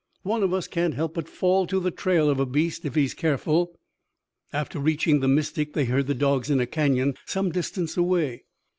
One of us can't help but fall to the trail of a beast if he is careful." After reaching the Mystic they heard the dogs in a canyon some distance away.